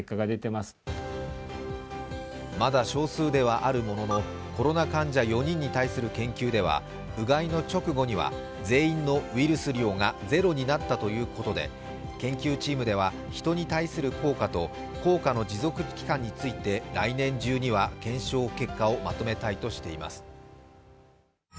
まだ少数ではあるもののコロナ患者４人の対する研究ではうがいの直後には全員のウイルス量がゼロになったということで研究チームではヒトに対する効果と効果の持続期間について来年中には検証結果をまとめたいとしています。